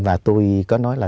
và tôi có nói là